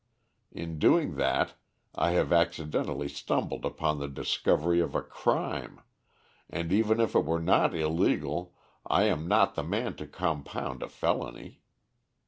In doing that I have accidentally stumbled upon the discovery of a crime, and even if it were not illegal I am not the man to compound a felony.